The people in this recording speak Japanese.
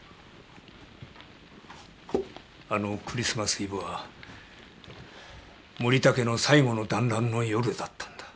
あのクリスマスイブは森田家の最後の団らんの夜だったんだ。